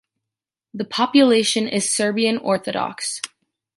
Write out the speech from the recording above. The population is Serbian Orthodox.